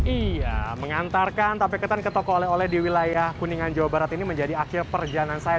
iya mengantarkan tape ketan ke toko oleh oleh di wilayah kuningan jawa barat ini menjadi akhir perjalanan saya